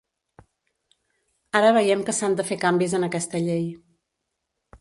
Ara veiem que s'han de fer canvis en aquesta llei.